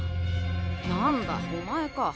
何だお前か。